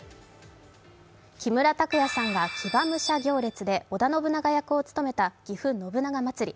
木村拓哉さんが騎馬武者行列で織田信長役を務めたぎふ信長まつり。